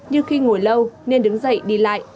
như khi ngủ lâu nên đứng dậy đi lại